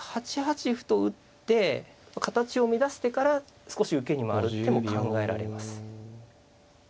８八歩と打って形を乱してから少し受けに回る手も考えられます。